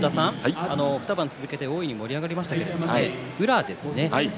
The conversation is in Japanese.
２番続けて大いに盛り上がりましたけれど宇良ですね